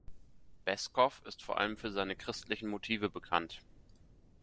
Beskow ist vor allem für seine christlichen Motive bekannt.